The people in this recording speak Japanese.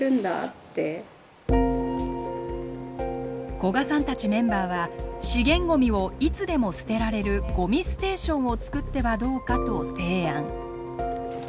古賀さんたちメンバーは資源ごみをいつでも捨てられるごみステーションを作ってはどうかと提案。